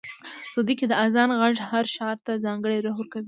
سعودي کې د اذان غږ هر ښار ته ځانګړی روح ورکوي.